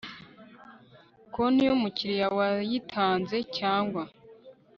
konti y umukiriya wayitanze cyangwa